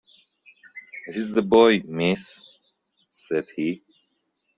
"It's the boy, miss," said he.